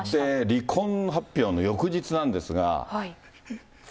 離婚発表の翌日なんですが。